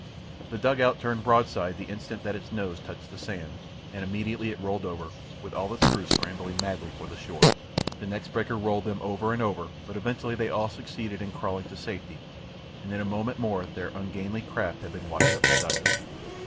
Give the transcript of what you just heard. The dugout turned broadside the instant that its nose touched the sand, and immediately it rolled over, with all its crew scrambling madly for the shore. The next breaker rolled them over and over, but eventually they all succeeded in crawling to safety, and in a moment more their ungainly craft had been washed up beside them.